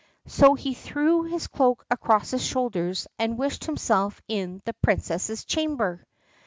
So he threw his cloak across his shoulders and wished himself in the princess's chamber.